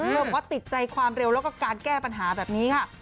บอกว่าติดใจความเร็วแล้วก็การแก้ปัญหาแบบนี้ค่ะ